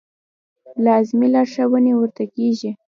لازمې لارښوونې ورته کېږي.